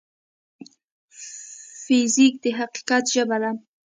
فزیک د حقیقت ژبه ده.